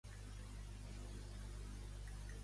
Què li agradaria fer més a Pisarello?